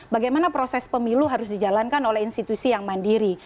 bagaimana proses pemilu harus dijalankan oleh institusi yang mandiri